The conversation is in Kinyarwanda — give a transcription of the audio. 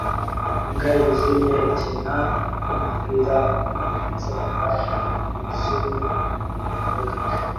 Imbwa yijimye ikina numupira wumucunga wijimye mu rubura